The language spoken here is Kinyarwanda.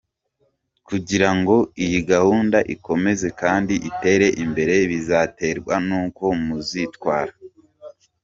Kugira ngo iyi gahunda ikomeze kandi itere imbere bizaterwa n’uko muzitwara.